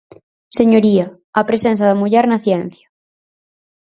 Señoría, a presenza da muller na ciencia.